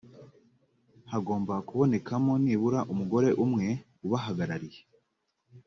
hagomba kubonekamo nibura umugore umwe ubahagarariye